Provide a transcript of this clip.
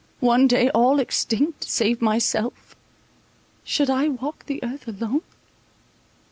One day all extinct, save myself, should I walk the earth alone?